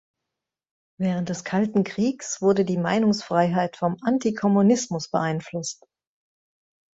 Während des Kalten Kriegs wurde die Meinungsfreiheit vom Antikommunismus beeinflusst.